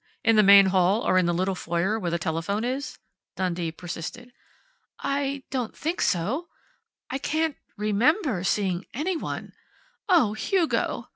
In the main hall or in the little foyer where the telephone is?" Dundee persisted. "I don't think so ... I can't remember seeing anyone.... Oh, Hugo!"